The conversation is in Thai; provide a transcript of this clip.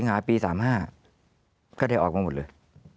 สิงหาปีสามห้าก็ได้ออกมาหมดเลย